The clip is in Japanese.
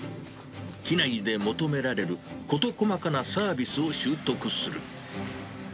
機内で求められる事細かなサービスを習得する。